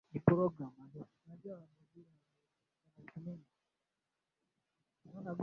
wakiongozwa na kiongozi wao ajulikanaye kama Mzee Mndimbo